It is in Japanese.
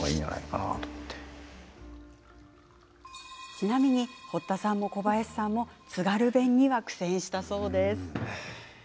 ちなみに、小林さんも堀田さんも津軽弁には苦戦したそうです。